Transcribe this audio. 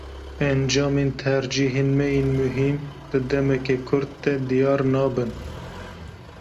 Encamên tercîhên me yên muhîm, di demeke kurt de diyar nabin.